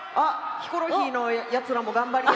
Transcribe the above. ヒコロヒーのヤツらも頑張りや。